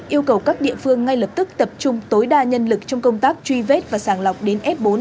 yêu cầu các địa phương ngay lập tức tập trung tối đa nhân lực trong công tác truy vết và sàng lọc đến f bốn